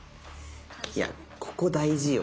いやここ大事よ